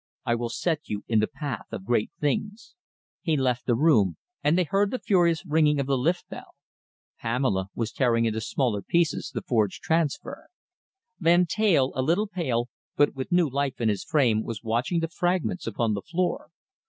I will set you in the path of great things." He left the room, and they heard the furious ringing of the lift bell. Pamela was tearing into smaller pieces the forged transfer. Van Teyl, a little pale, but with new life in his frame, was watching the fragments upon the floor.